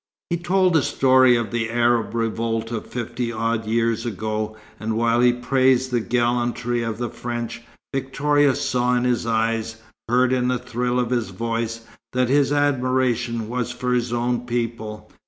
He told the story of the Arab revolt of fifty odd years ago; and while he praised the gallantry of the French, Victoria saw in his eyes, heard in the thrill of his voice, that his admiration was for his own people.